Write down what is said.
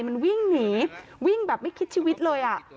มันวิ่งหนีวิ่งแบบไม่คิดชีวิตเลย